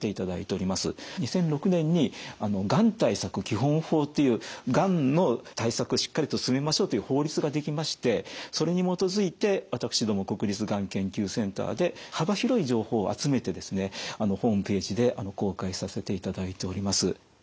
２００６年にがん対策基本法っていうがんの対策をしっかりと進めましょうという法律が出来ましてそれに基づいて私ども国立がん研究センターで幅広い情報を集めてですねホームページで公開させていただいております。